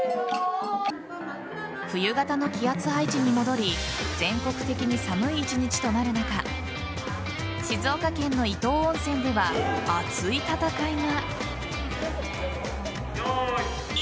冬型の気圧配置に戻り全国的に寒い１日となる中静岡県の伊東温泉では熱い戦いが。